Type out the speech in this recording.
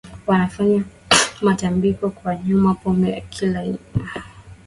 wanafanya matambiko kwa kunywa pombe na kula nyama za mbuzi